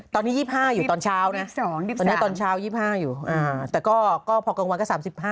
ตอนนี้๒๕อยู่ตอนเช้านะตอนนี้ตอนเช้า๒๕อยู่แต่ก็พอกลางวันก็๓๕